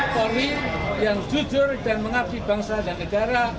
polri yang jujur dan mengabdi bangsa dan negara